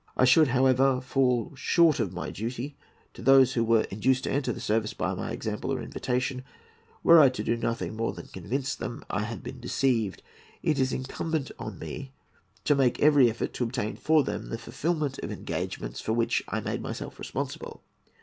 I should, however, fall short of my duty to those who were induced to enter the service by my example or invitation, were I to do nothing more than convince them that I had been deceived. It is incumbent on me to make every effort to obtain for them the fulfilment of engagements for which I made myself responsible.